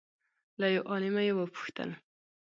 له یو عالمه یې وپوښتل